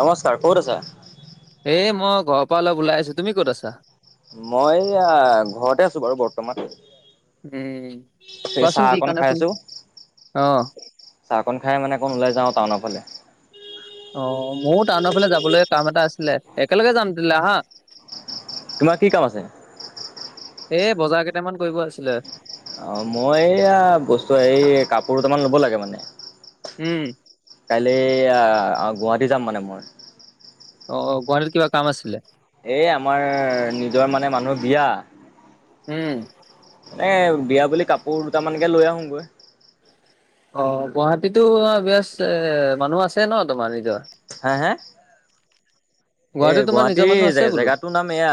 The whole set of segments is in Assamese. নমস্কাৰ ক'ত আছা এ মই ঘ মই এইয়া ঘৰতে আছো বাৰু বৰ্তমান উম, কোৱাচোন চাহ কি অকন কাৰণে খাই ফোন আছো। অ চাহকন খাই মানে অকণ ওলাই যাও টাউনৰ ফালে। অ মোৰ টাউনৰ ফালে যাবলগীয়া কাম এটা আছিলে একেলগে যাম দিলে হা। তোমাৰ কি কাম আছে। এ বজাৰ কেইটামান কৰিব আছিলে। অ মই এইয়া বস্তু এই কাপোৰ দুটামান ল'ব লাগে মানে। উম। কাইলৈ গুৱাহাটী যাম মানে মই। অ গুৱাহাটীত কিবা কাম আছিলে। এই আমাৰ নিজৰ মানে মানুহ বিয়া। উম। এ বিয়া বুলি কাপোৰ দুটামানকে লৈ আহোঁগৈ। অ গুৱাহাটীতো বচ এ মানুহ আছে ন তোমাৰ নিজৰ। হে। এ গুৱাহাটীত তোমাৰ নিজৰ মানুহ গুৱাহাটীৰ আছে জ বোলো জেগাটোৰ নাম এয়া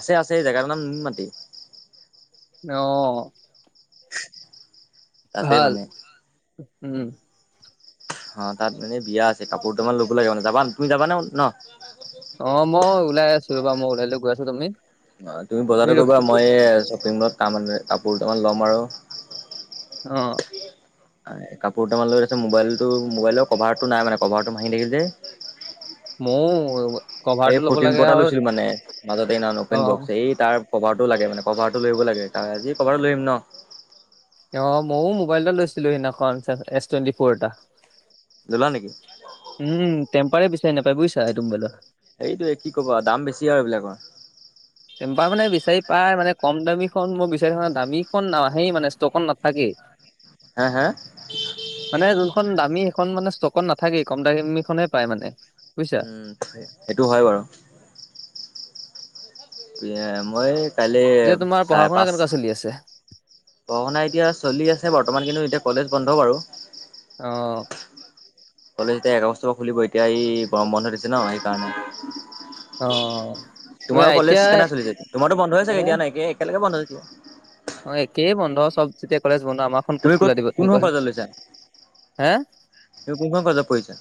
আছে আছে এই জেগাটোৰ নাম নুনমাটি। [unintelligible] আহ তাতে মানে। উম। অ তাত মানে বিয়া আছে কাপোৰ তামান ল'ব লাগিব মানে যাবা তুমি যাবানে ন। ওলাইছো মই ওলাই গৈ আছো তুমি। অ তুমি বজাৰ কৰিবা মই শ্বপিং মল তান কাপোৰ দুটামান ল'ম আৰু অ কাপোৰ তামান লগত আছে মোবাইলতটো মোবাইলৰ কভাৰটো নাই মানে কভাৰটো ভাঙি থাকিল যে। মই এই ফৰটিন পটা লৈছিলো মানে মাজতে এই ন অপেন অ বক্স এই তাৰ। কভাৰটো লাগে মানে কভাৰটো লৈ আহিব লাগে আজি কভাৰটো লৈ আহিম ন। অ ময়ো মোবাইল এটা লৈছিলো সিদিনাখন এছ টুৱেণ্টি ফ'ৰ এটা। দিলা নেকি? উম টেম্পাৰে বিচাৰি নাপায় বুইছা এইটো মোবাইলৰ। এইটোৱে কি ক'বা, দাম বেছি আৰু এইবিলাকৰ। টেম্পাৰ মানে বিচাৰি পায় মানে কম দামীখন মই বিচাৰি থা দামীখন নাহেই মানে ষ্টকত নাথাকেই। হা হা। এখন দামী সেইখন মানে ষ্টকত নাথাকে কম দামী খনে পায় মানে বুজিছা। উম সেইটো হয় বাৰু। পিয়ে মই। কাইলৈ এতিয়া তোমাৰ পঢ়া চাৰে শুনা পাঁচ কেনেকুৱা চলি আছে পঢ়া শুনা এতিয়া চলি আছে বৰ্তমান কিন্তু এতিয়া। কলেজ বন্ধ বাৰু আহ। কলেজ এতিয়া এক আগষ্টৰ পৰা খুলিব এতিয়া এই গৰম বন্ধ দিছে ন সেইকাৰণে। অ তুমি তোমাৰো কলেজ এতিয়া কেনে চলিছে তোমাৰতো বন্ধ হৈ চাগে মোৰ এতিয়া ন একে একেলগে বন্ধ হৈ। কোৱা। অ একেই বন্ধ চব যেতিয়া কলেজ বন্ধ আমাৰখন ক'ত তুমি খোলা দিব তুমি কোনখন কোৱাচোন। কলেজত লৈছা? হে তুমি কোনখন কলেজত পঢ়িছা।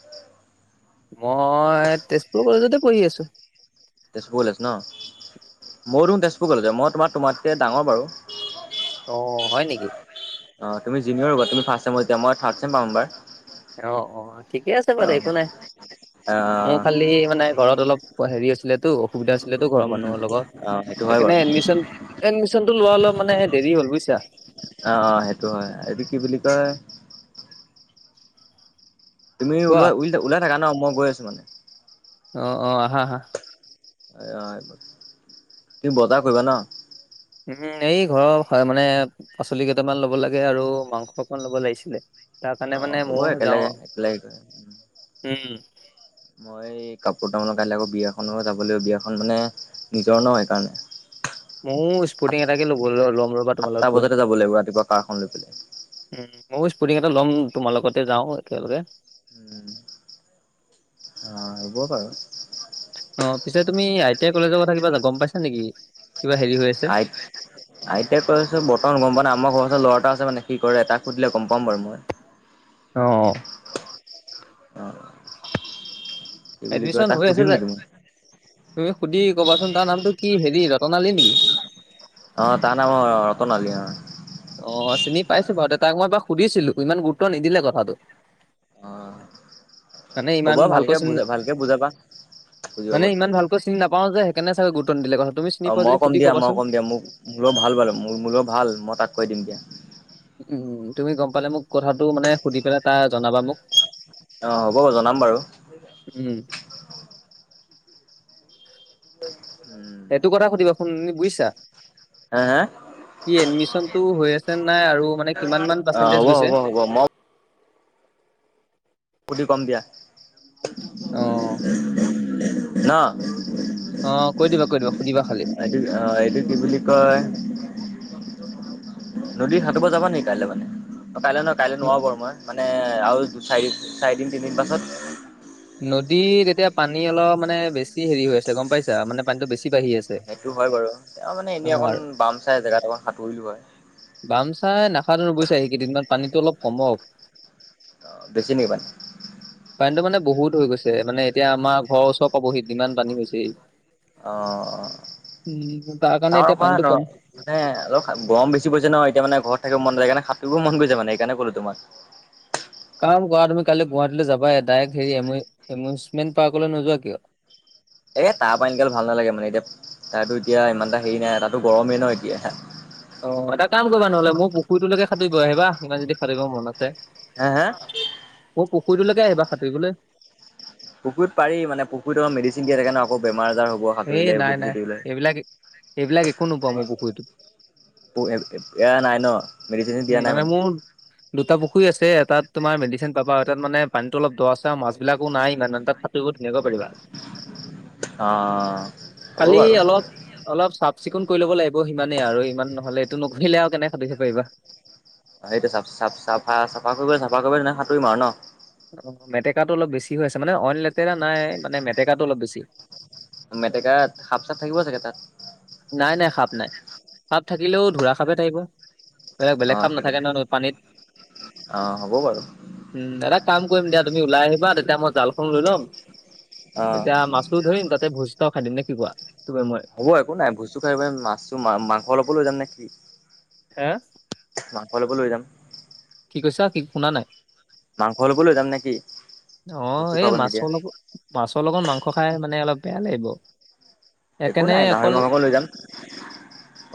মই তেজপুৰ কলেজতে পঢ়ি আছো। তেজপুৰ কলেজ ন মইতো তেজপুৰ কলেজৰ মই তোমাৰ তোমাতকৈ ডাঙৰ বাৰু হয় নেকি অ তুমি জিনিয়ৰ হ'বা তুমি ফাষ্ট চেমত এতিয়া মই থাৰ্ড চেম পাম এইবাৰ। অ অ ঠিকে আছে বাৰু অ' একো নাই। মোৰ অ' খালি মানে ঘৰত অলপ পুৱা হেৰি আছিলেতো অসুবিধা আছিলেতো ঘৰৰ উম, মানুহৰ লগত অ' সেইটো হয় সেইকাৰণে বাৰু। এডমিশন এডমিশন টো অলপ মানে দেৰি হল বুইছা অ অ সেইটো হয় এইটো কি বুলি কয় তুমি কোৱা ওলোৱা উল ওলাই থাকা ন মই গৈ আছোঁ মানে অহ অহ আহা আহা তুমি বজাৰ কৰিবা নহ উম এই ঘৰৰ হয় মানে পাচলি কেইটামান ল'ব লাগে আৰু মাংস অকমান ল'ব লাগিছিলে। তাৰ কাৰণে অ' মানে হ'ব মই যাওঁ একেলগে একেলগে গৈ উম উম মই কাপোৰ তামোলৰ কাইলৈ আকৌ বিয়াখনলৈ যাব লাগিব বিয়াখন মানে নিজৰ ন সেইকাৰণে উম সাত স্পৰ্টিং এটাকে ল'ব ল'ম ৰ সাতটা বজাতে যাব লাগিব ৰাতিপুৱা কাৰখন লৈ পেলাই উম ময়ো স্পৰ্টিং এটা ল'ম তোমাৰ লগতে যাওঁ একেলগে উম, অ হ'ব বাৰু অ পিছে তুমি আই টি আই কলেজৰ কথা কিবা গম পাইছা নেকি কিবা হেৰি হৈ আছে আই আইতিয়াই কলেজৰ বৰ্তমান গম পোৱা নাই আমাৰ ঘৰ ওচৰত ল'ৰা এটা মানে সি কৰে তাক সুধিলে গম পাম বাৰু মই অহ অহ অ' কি বুলি কয় এডমিচন তাক হৈ আছে সুধিম যে নেকি মই? উ সুধি ক'বাচোন তাৰ নামটো কি হেৰি ৰতন আলী নেকি অ তাৰ নাম ৰতন আলি অহ অ' চিনি পাইছো বাৰু তাক মই এবাৰ সুধিছিলো ইমান গুৰুত্ব নিদিলে কথাটো অ' মানে হ'ব ইমান ভালকৈ ভালকে চিনি বুজা ভালকে বুজাবা বুজি পাব মানে ইমান তেতিয়া। ভালকৈ চিনি নাপাওঁ যে সেই কাৰণে চাগে গুৰুত্ব নিদিলে কথাটো অ মই কম দিয়া মই কম দিয়া মোক লগত ভাল বাৰু মোৰ লগত ভাল মই তাত কৈ দিম দিয়া। উম তুমি গম পালে মোক কথাটো মানে সুধি পেলাই তাৰ জনাবা মোক অ হ'ব বাৰু জনাম বাৰু। উম, উম, সেইটো কথা সুধিবা শুন বুজিছা হে হে কি এডমিচন টো হৈ আছে নাই আৰু মানে কিমান মান অ' পাৰ্চেণ্টেজ হ'ব গৈছে হ'ব হ'ব খুলি কম দিয়া অহ অহ কৈ দিবা কৈ দিবা সুধিবা খালি। আৰু অ এইটো কি বুলি কয় নদীত সাঁতুৰিব যাবা নেকি কাইলৈ মানে কাইলৈ নহয় কাইলৈ ন- নোৱাৰোঁ বাৰু মই মানে আৰু চাৰি চাৰিদিন তিনিদিন পাছত নদীত এতিয়া পানী অলপ মানে বেছি হেৰি হৈ আছে গম পাইছা মানে পানীটো বেছি বাঢ়ি আছে। সেইটো হয় বাৰু তেওঁ মানে এনেই অ' অকণ বাম চাই জেগাত অকণ সাঁতুৰিলো হয়। প্ৰায় নাসাতুৰো বুজিছা এই কেইদিনত পানীটো অলপ কমক বেছি নেকি পানী পানীটো মানে বহুত হৈ গৈছে মানে এতিয়া আমাৰ ঘৰৰ ওচৰত পাবহি ইমান পানী হৈছেহি অহঁ তাৰ কাৰণে তৰ এতিয়া হয় পানীটো ন কম মানে অলপ গৰম বেছি পৰিছে ন এতিয়া মানে ঘৰত থাকিব মন‌ নাযায় সাতুৰিব মন গৈছে মানে সেইকাৰণে ক'লো তোমাক কাম কৰা তুমি কালি গুৱাহাটীলৈ যাবা ডাইৰেক্ট হেৰি এমিউজমেণ্ট পাৰ্কলৈ নোযোৱা কিয় [unintelligible] এ তাৰ পৰা এনেকাল ভাল নালাগে মানে এতিয়া তাৰতো এতিয়া ইমানটা হেৰি নাই তাতো গৰমেই ন এতিয়া অ এটা কাম কৰিবা নহলে মোক পুখুৰীটোলৈকে সাতুৰি গৈ আহিব ইমান যদি সাতুৰি মন আছে হে হে মোৰ পুখুৰীটোলৈকে আহিবা সাঁতুৰিবলৈ পুখুৰীত পাৰি মানে পুখুৰীত‌ মেডিচেন দিয়া থাকে আকৌ বেমাৰ বেমাৰ আজাৰ হ'ব এই সাঁতুৰিলে নাই নাই গুটি উলাই এইবিলাক এইবিলাক একো নোপোৱা মোৰ পুখুৰীটোত। এয়া নাই ন মেডিচিন দিয়া উম নাই মানে। মোৰ দুটা পুখুৰী আছে তোমাৰ মেডিচিনৰ পাব এটা মানে অলপ দৰ আছে আৰু মাছ বিলাকো নাই ইমান তাত সাতুৰি বহু ধুনীয়া কৈ পাৰিবা অ হ'ব খালি বাৰু অলপ অলপ চাফ। চিকুন কৰি ল'ব লাগিব সিমানেই আৰু ইমান নহলে এইটো নকৰিলে আৰু কেনেক সাতুৰি ব পাৰিবা। এইটো চাফ চাফ চাফা চাফা কৰিবলৈ চাফা কৰিব তে সাঁতুৰিম আৰু ন। অ মেটেকাটো অলপ বেছি হৈ আছে মানে অইন লেতেৰা নাই মানে মেটেকাটো অলপ বেছি। মেটেকাত সাপ চাপ থাকিব চাগে তাত। নাই নাই সাপ নাই সাপ থাকিলেও ধোৰা সাপে থাকিব। এ অ বেলেগ খাপ সেইটো নাথাকে নহ ন পানীত অ হ'ব বাৰু উম দাদ। কাম কৰিম দিয়া তুমি ওলাই আহিবা তেতিয়া মই জালখন লৈ ল'ম অ তেতিয়া মাছো ধৰিম। তাতে ভোজ এটাখাই দিম নে কি কোৱা। তুমি মই হ'ব একো নাই ভোজতো খাই প মাছো মাংস অলপো লৈ যাম নেকি। হে। মাংস অলপ লৈ যাম। কি কৈছা কি শুনা নাই। মাংস অলপ লৈ যাম নেকি। অ এই মাছৰ লগত মাছৰ লগত মাংস খাই মানে অলপ বেয়া লাগিব। একো সেইকাৰণে নাই গাহৰি অকল মাংস অকণ লৈ যাম।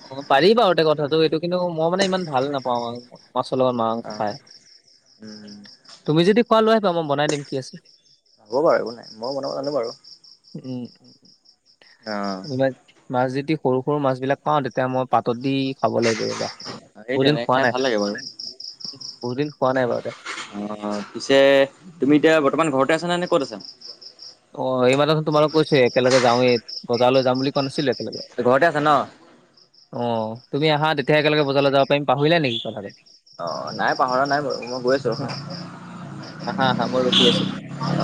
অ পাৰি বাৰু এতে কথাটো এইটো কিন্তু মই মানে ইমান ভাল নাপাওঁ মাছৰ লগত মাংস অ খাই। উম তুমি যদি খোৱা লৈ আহিবা মই বনাই দিম কি আছে। হাব বাৰু একো নাই মইয বনাব জানো বাৰু। উম অ উ মছি। যদি সৰু সৰু মাছ বিলাক পাওঁ তেতিয়া মই পাতত দি খাব লাগিব ৰবা। সেই বহুত দিন তেনে খোৱা খাই নাই ভাল লাগে বাৰু বহুত দিন খোৱা নাই বাৰু এতিয়া। অ পিছে তুমি এতিয়া বৰ্তমান ঘৰতে আছ নে নে ক'ত আছা। অ এই মানোন তোমালোক কৈছে একেলগে যাওৱেই বজাৰলৈ যাম বুলি কোৱা নাছিলে। ঘৰতে আছ ন। অ তুমি আহা তেতিয়া একেলগে বজাৰলৈ যাব পাৰি পাহৰিলে নেকি কথা টো। অ নাই পাহৰা নাই মই গৈ আছো ৰ। আহা আহা মই ৰখি আছো।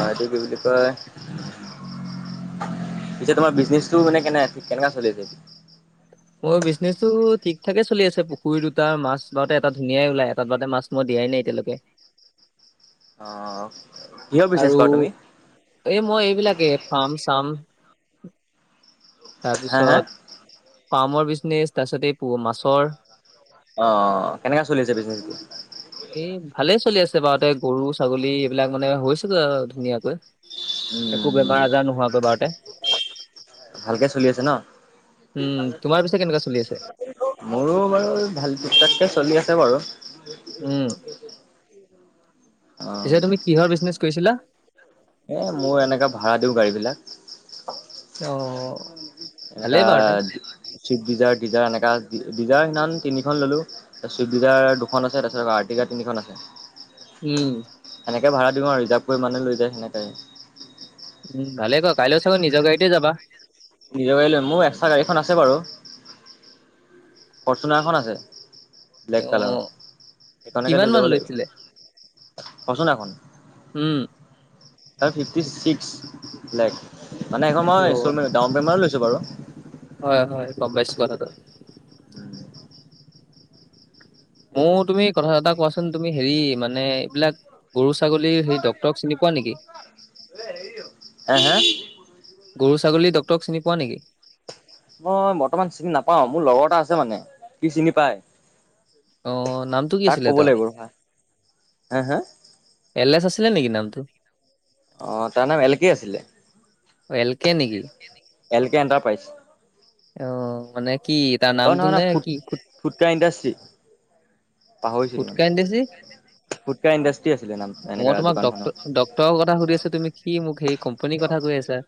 অ কি বোলি কয়। পিছে তোমাৰ বিজনেছটো মানে কেনে ঠিক কেনেককা চলিছে? মোৰ বিজনেচ টো ঠিক থাকে চলি আছে পুখুৰী দুটা মাছ বাৰতে এটা ধুনীয়াই ওলাই এটাত বা মাছ মই দি দাই নাই এতিয়ালৈকে। অ। কিহৰ বিজনেছ আৰু কৰা তুমি? এই মই। সবিলাকে ফাম চাম হা হা তাৰপিছত। পামৰ বিছনেচ তাৰছতে প মাছৰ। অ কেনেককা চলি আছে বিজনেচ বি। ভালে চলি আছে বাৰুতে গৰু ছাগলী এইবিলাক মানে হৈছে ধুনীয়াকৈ। একো বেমাৰ উম আজাৰ নোহোৱাকৈ বাৰুতে। ভালকে চলি আছে ন। উম তোমাৰ পিছে কেনেকুৱা চলি আছে মোৰো বাৰু ভাল পিক তাতকে চলি আছে বাৰু। উম [unintelligible] অ। পিছে তুমি কিহৰ বিজনেচ কৰিছিলা। এ মই এনেকা ভাড়া দিওঁ গাড়ী বিলাক। অ। এনেকা ভালেই বাৰুতে সুইফ ডিজাৰ ডিজাৰ এনেকা। দিজাৰ সিমান তিনিখন ললো তাৰপিছ চুইিজাৰ দুখন আছে তাৰপিছত আৰৰ্টিকা তিনিখন আছে। উম। সনেকৈ ভাড়া দিম আৰু ৰিজাৰ্ভ কৰি মানে লৈ যায় সেনেকাই। উম ভালে ক কাইলৈও চাগত নিজৰ গাড়ীতে যাবা। নিজৰ গাড়ী লৈ মোৰ একস্ৰা গাড়ীখন আছে বাৰু। ফৰ্চুনাৰ খন আছে। ব্লেক অ কালাৰৰ, সেইকাৰণকে কিমান লৈ মান যাব লৈছিলে লাগিব। ফৰ্চুনাৰ খন উম। ফিফটী ছিক্স লেশ মনে হেইখন মই অ ষ্টল ডাউন পেমেন ট লৈছিলো। বাৰু। হয় হয় গমপাইছোঁ কথাটো। সেইটোৱে ময় তুমি কথা এটা কোৱাচোন তুমি হেৰি মানে এইবিলাক গৰু ছাগলী হেৰি ডকটৰক চিনি পোৱা। নেকি? হা হা? গৰু ছাগলী ডক্তৰক চিনি পোৱা নেকি? মই বৰ্তমান চিনি নাপাও, মোৰ লগৰ এটা আছে মানে সি চিনি পাই। আহ নামটো কি আছিলে তেওঁ? হে হে এল এছ আছিলে নেকি নামটো? অ তাৰ নাম এল কে আছিলে। অ এল কে নেকি? L K enterprise? আহ মানে কি তাৰ নামটো নে কি? ট্ৰ ইণ্ডাষ্ট্ৰী? ঘুতকা ইণ্ডাষ্ট্ৰী? ফুটকা ইণ্ডাষ্ট্ৰি আছিলে নাম এনেকা মই তোমাক দোকানখনৰ ডট ডক্টৰৰ কথা সুধি আছো তুমি কি মোক হেৰি কোম্পনীৰ কথা কৈ আছা?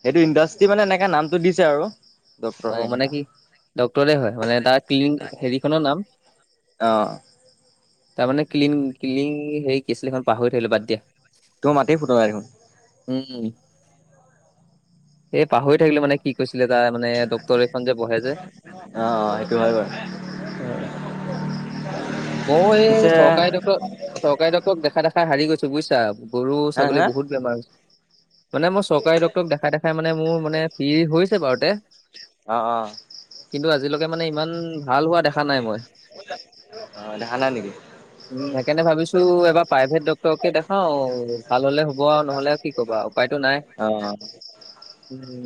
সেইটো ইণ্ডাষ্টি মানে এনেকাে নামটো দিছে আৰু ডক্তৰ হেনকা ডাক্টৰে হয় মানে তাৰ ক্লিনিক হেৰিখনৰ নাম। অ। তাৰমানে ক্লিন ক্লিন সেই কেচলিখন পাহৰি থকিলো বাদ দিয়া। তোৰ মাতেই ফুটা নাই দেখোন। এ পাহৰি থাকিলো মানে কি কৈছে? ছিল তাই মানে ডক্টৰ এখন যে বহে যে অ অ সেইটো হয় বাৰু আহ মই এই পিছে চৰকাৰী ডক্টৰ চৰকাৰী ডক্টৰক দেখাই দেখাই হাৰি গৈছো বুইছা। গৰু হা ছাগলী হা বহুত বেমাৰ, মানে মই চৰকাৰী ডাক্তৰক দেখাই দেখাই মানে মোৰ মানে ফ্ৰী হৈছে বাৰুতে। অঁ অঁ। কিন্তু আজিলৈকে মানে ইমান ভাল হোৱা দেখা নাই মই। অ দেখা নাই নেকি? [unintelligible] উম সেইকাৰণে ভাবিছো এবাৰ প্ৰাইভেট ডক্তৰকে দেখাও ভাল হলে হ'ব আও নহলে কি কবা আও, উপাই উপাই টো নাই। অ।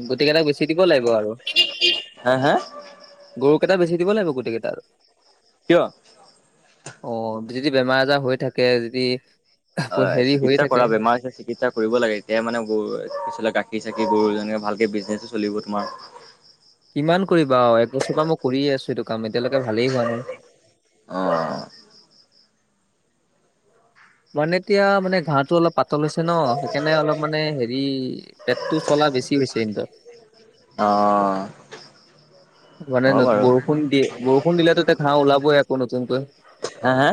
গোটেইকেইটা বেচি দিব লাগিব আৰু। হা হা গৰুকে এটা বেছি দিব লাগিব গোটেই কেইটা আৰু কিয় অ। যদি বেমাৰ আজাৰ হৈ থাকে যদি হয় হেৰি হৈ চিকিৎসা থাকে কৰা বেমাৰ চিকিৎসা কৰিব লাগে এতিয়া মানে [unintelligible] গাখীৰ [unintelligible] ভালকে বিজনেচো চলিব তোমাৰ। কিমান কৰিবা আও, একবছৰ মই কৰিয়ে আছো এইটো। কাম এতিয়ালৈকে ভালেই হোৱা নাই। অ মানে এতিয়া মানে ঘাঁহটো অলপ পাতল হৈছে ন, সেইকাৰণে অলপ মানে হেৰি পেটটো চলা বেছি হৈছে [unintelligible] অ অ মানে বৰষুণ দিয়ে বৰষুণ দিলেতো এতিয়া ঘাঁ ওলাবই আকৌ নতুনকৈ হে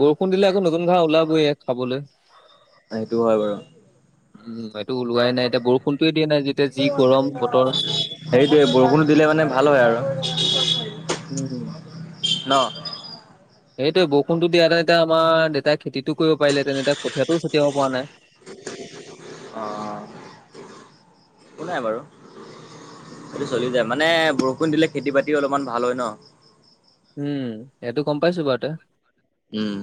বৰষুণ দিলে আকৌ নতুন ঘাঁহ ওলাবই খাবলে সেইটো হয় বাৰু উম টো ওলোৱাই নাই এতিয়া বৰষুণতটোে দিয়া নাই যেতিয়া যি গৰম বতৰ সেইটোৱে বৰষুণো দিলে মানে ভাল হয় আৰু উম হ অ সেইটোৱে বৰষুণতো দিয়াতে তেতিয়া আমাৰ দেউতাই খেতিতটো কৰিব পাৰিলে তেনেয়া কঠিয়াতটোও ছটিয়াব পৰা নাই [unintelligible] অ অ একো নাই বাৰু সেইটো চলি যা ই মানে বৰষুণ দিলে খেতি বাতি অলপমান ভাল হয় ন উম সেইটো গম পাইছো বাৰু তে উম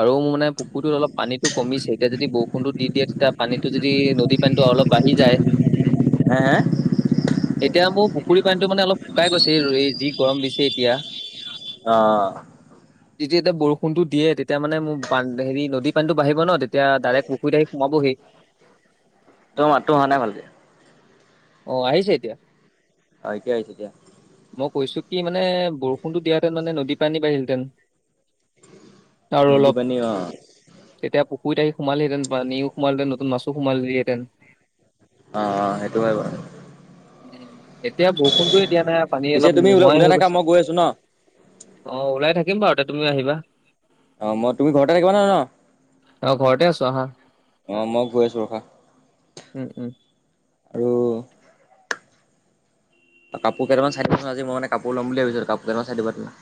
আৰু মানে পুখুৰটোত অলপানীটো কমিছে এতিয়া যদি বৰষুণতো দি দিয়ে তেতিয়া পানীতটো যদি যদি নদী পানীতটো অলপ বাঢ়ি যায় হে হে এতিয়া মোৰ পুখুৰী পানীটো মানে অলপ শুকাই গৈছে যি গৰম দিছে এতিয়া অঁ যেতিয়া তিয়া বৰষুন দিয়ে তেয়া তেতিয়া মানে মোৰবান হেৰি নদী পানীতটো বাঢ়িব ন তেতিয়া ডাইৰেক্ট পুখুৰীত আহি সোমাবহি তোমাৰ মাতটো অহা নাই ভালকে অ আহিছে এতিয়া হয় এতিয়া আহিছো দিয়া মই কৈছো কি মানে বৰষুণতো দিয়াহেতেন মানে নদী পানী বাঢ়িলতেন নদী পানী অ তেতিয়া পুখুৰীত আহি সোমাল হেতেন সোলহেতেন নতুন মাছো সোমালহেঁতেন অ অ সেইটো হয় উ এতিয়া বৰষুণতয়ে দিয়া নাই পানী পিছে অলপ তুমি ওল নোহোৱাই ওলাই হৈ থাকা গৈছে মই গৈ আছো ন অ ওলাই থাকিম বাৰু তিতে তুমিও আহিবা অ মই তুমি ঘৰতে থাকিবা ন ন। অ ঘৰতে আছো আহা অ মই গৈ আছো ৰখা উম উম আৰু [unintelligible] কাপোৰ কেইটামান চাই দিবাচোন আজি মই মানে কাপোৰ ল'ম বুলি ভাবিছিলো কাপোৰ কেইটামান চাই দিবা তুমি